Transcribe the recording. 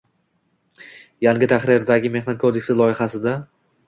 Yangi tahrirdagi Mehnat kodeksi loyihasida: